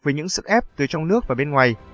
với những sức ép từ trong nước và bên ngoài